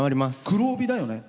黒帯だよね。